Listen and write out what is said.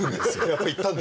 やっぱ行ったんだ？